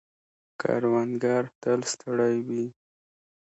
کروندگر تل ستړي وي.